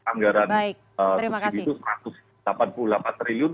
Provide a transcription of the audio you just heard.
anggaran subsidi itu rp satu ratus delapan puluh delapan triliun